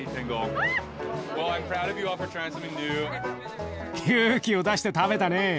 勇気を出して食べたね。